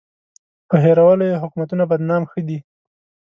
په هېرولو یې حکومتونه بدنام ښه دي.